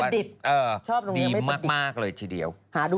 ดีมากเลยทีเดียว